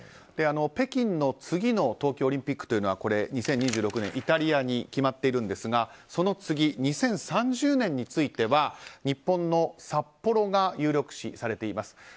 北京の次の冬季オリンピックというのは２０２６年イタリアに決まっているんですがその次、２０３０年については日本の札幌が有力視されています。